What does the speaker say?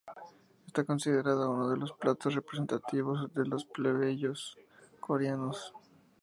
Está considerado uno de los platos representativos de los plebeyos coreanos.